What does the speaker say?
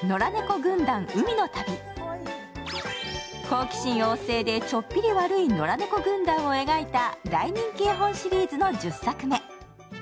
好奇心旺盛でちょっぴり悪いノラネコぐんだんを描いた大人気絵本シリーズの１０作目。